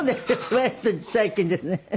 割と最近ですね。